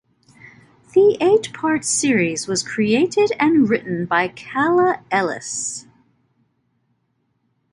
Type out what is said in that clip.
The eight part series was created and written by Kala Ellis.